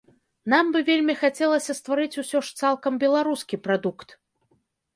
Нам бы вельмі хацелася стварыць усё ж цалкам беларускі прадукт.